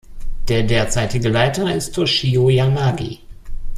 Der derzeitige Leiter ist Toshio Yanagi.